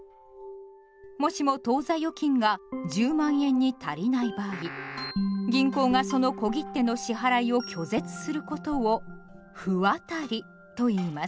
もしも当座預金が１０万円に足りない場合銀行がその小切手の支払いを拒絶することを「不渡り」といいます。